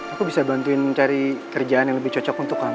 aku bisa bantuin cari kerjaan yang lebih cocok untuk kamu